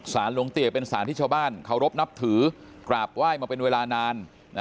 หลวงเตี๋เป็นสารที่ชาวบ้านเคารพนับถือกราบไหว้มาเป็นเวลานาน